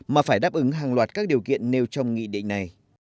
mà phải đáp ứng hàng loạt các điều kiện nêu trong nghị định này